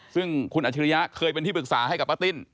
ซึ่งคุณอัจฉริยะเคยเป็นที่ปรึกษาให้กับป้าติ้น